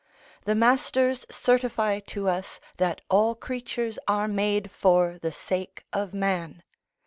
The Masters certify to us that all creatures are made for the sake of man.